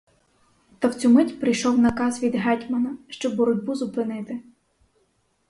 Та в цю мить прийшов наказ від гетьмана, щоб боротьбу зупинити.